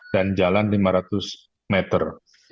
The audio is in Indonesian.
jalan lima ratus meter